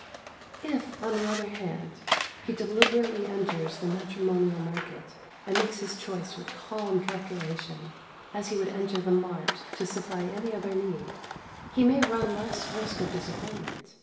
If, on the other hand, he deliberately enters the matrimonial market and makes his choice with calm calculation, as he would enter the mart to supply any other need, he may run less risk of disappointment.